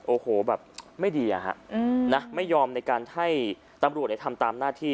โอ้โหแบบไม่ดีนะไม่ยอมในการให้ตำรวจทำตามหน้าที่